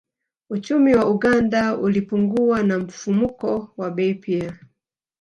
Uchumi wa Uganda ulipungua na mfumuko wa bei pia